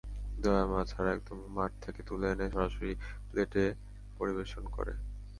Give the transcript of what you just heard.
দয়ামায়া ছাড়া একদম মাঠ থেকে তুলে এনে সরাসরি প্লেটে পরিবেশন করে।